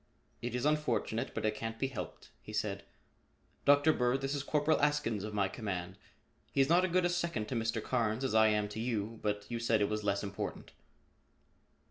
"It is unfortunate but it can't be helped," he said. "Dr. Bird, this is Corporal Askins of my command. He is not as good a second to Mr. Carnes as I am to you but you said it was less important."